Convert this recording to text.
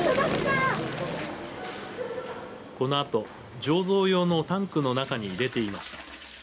このあと醸造用のタンクの中に入れていました。